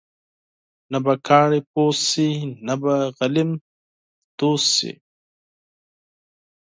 نه به کاڼې پوست شي ، نه به غلیم دوست شي.